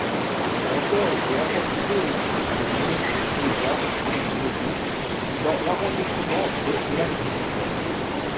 Ce canton était organisé autour de Montpezat-sous-Bauzon dans l'arrondissement de Largentière.